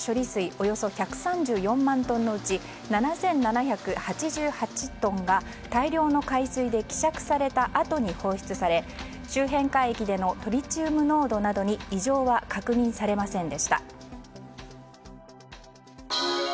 およそ１３４万トンのうち７７８８トンが大量の海水で希釈されたあとに放出され周辺海域でのトリチウム濃度などに異常は確認されませんでした。